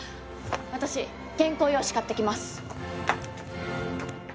私原稿用紙買ってきます！